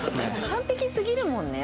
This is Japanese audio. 完璧すぎるもんね。